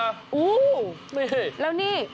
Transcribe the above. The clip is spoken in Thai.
ว้าวแล้วนี่